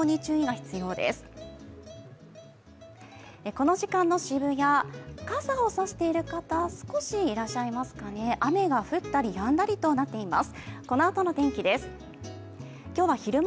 この時間の渋谷、傘を差している方、少しいらっしゃいますかね雨が降ったりやんだりとなっています。